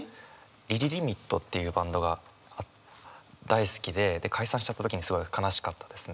ＬＩＬＩＬＩＭＩＴというバンドが大好きで解散しちゃった時にすごい悲しかったですね。